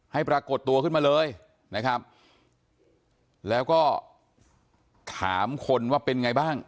ปรากฏตัวขึ้นมาเลยนะครับแล้วก็ถามคนว่าเป็นไงบ้าง